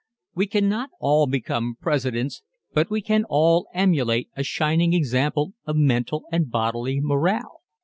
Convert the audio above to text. We cannot all become Presidents but we can all emulate a shining example of mental and bodily morale.